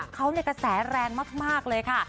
เขากระแสแรงมากเลยค่ะ